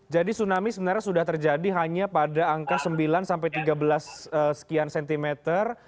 jadi tsunami sebenarnya sudah terjadi hanya pada angka sembilan sampai tiga belas sekian sentimeter